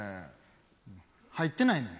入ってないねや。